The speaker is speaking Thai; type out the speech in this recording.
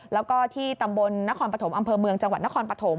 แล้วก็ที่ตำบลนครปฐมอำเภอเมืองจังหวัดนครปฐม